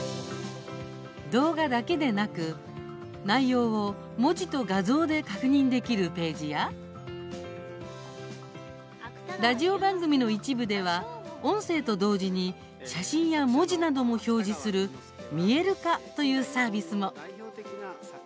動画だけでなく内容を、文字と画像で確認できるページやラジオ番組の一部では音声と同時に写真や文字なども表示する見える化というサービスも。